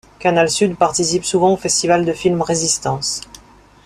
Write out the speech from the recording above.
Canal Sud participe souvent au festival de films Résistances.